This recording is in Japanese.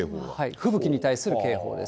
吹雪に対する警報です。